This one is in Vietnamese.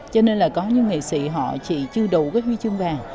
cho nên là có những nghệ sĩ họ chỉ chưa đủ cái huy chương vàng